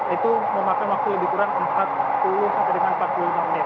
itu memakan waktu lebih kurang empat puluh sampai dengan empat puluh lima menit